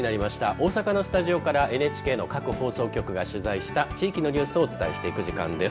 大阪のスタジオからＮＨＫの各放送局が取材した地域のニュースをお伝えしていく時間です。